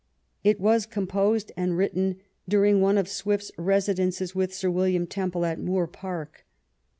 It was composed and written during one of Swift's residences with Sir William Temple at Moor Park.